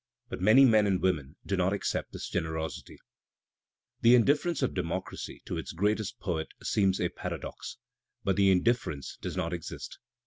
But many men and women do not accept his generosity, f The indifference of democracy to its greatest poet seems a \ paradox, but the indifference does not exist.